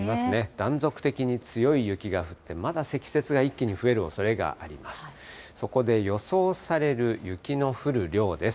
断続的に強い雪が降って、まだ積雪が一気に増えるおそれがあります。